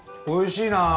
おいしいな。